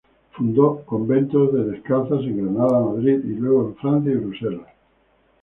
Fundó conventos de descalzas en Granada, Madrid, y luego en Francia y Bruselas.